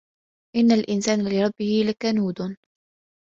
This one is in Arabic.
إِنَّ الإِنسانَ لِرَبِّهِ لَكَنودٌ